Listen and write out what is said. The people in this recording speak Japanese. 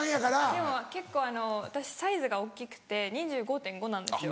でも結構私サイズが大っきくて２５．５ｃｍなんですよ。